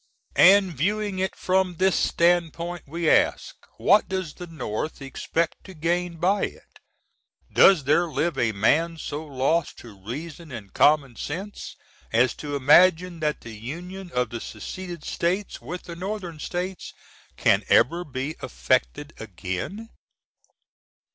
And viewing it from this standpoint, we ask, what does the North expect to gain by it? Does there live a man so lost to reason & common sense as to imagine that the Union of the seceded States with the N.S. can ever be effected again?